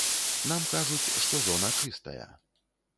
Нам кажуць, што зона чыстая.